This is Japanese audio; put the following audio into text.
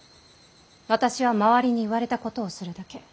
私は周りに言われたことをするだけ。